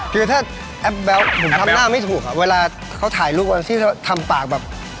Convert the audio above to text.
คือถ้าแอปแบ๊วผมทำหน้าไม่ถูกอ่ะเวลาเขาถ่ายรูปวันที่ทำปากแบบ